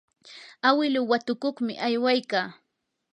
awiluu watukuqmi aywaykaa.